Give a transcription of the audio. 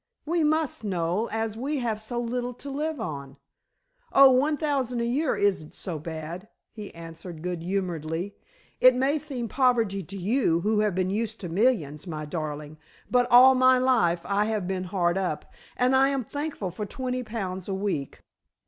"We must, Noel, as we have so little to live on." "Oh, one thousand a year isn't so bad," he answered good humoredly. "It may seem poverty to you, who have been used to millions, my darling; but all my life I have been hard up, and I am thankful for twenty pounds a week."